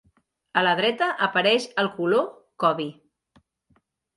A la dreta apareix el color kobi.